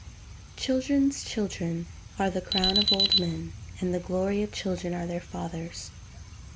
[Verse: "Children's children are the crown of old men; and the glory of children are their fathers."